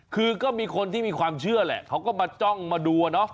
คือก็มีคนที่มีความเชื่อแหละเขาก็มาจ้องมาดู